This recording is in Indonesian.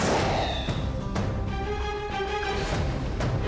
assalamualaikum warahmatullahi wabarakatuh